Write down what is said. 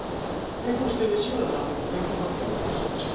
並行して志村尚美の怨恨関係も捜査しろ。